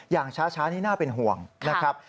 อย่างช้านี่น่าเป็นห่วงนะครับ